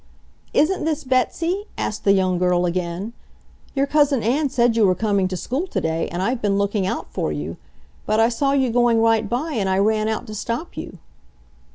"Isn't this Betsy?" asked the young girl again. "Your Cousin Ann said you were coming to school today and I've been looking out for you. But I saw you going right by, and I ran out to stop you."